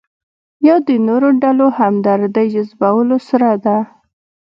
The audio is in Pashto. یا د نورو ډلو همدردۍ جذبولو سره ده.